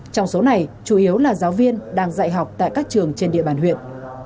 trong số này chủ yếu là giáo viên đang dạy học tại các trường trên địa bàn huyện